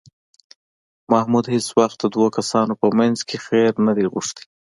محمود هېڅ وخت د دوو کسانو په منځ کې خیر نه دی غوښتی